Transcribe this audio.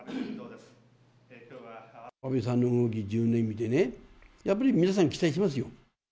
安倍さんの動き、１０年見てね、やっぱり皆さん、期待しますよ。